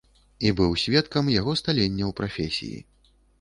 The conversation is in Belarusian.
І быў сведкам яго сталення ў прафесіі.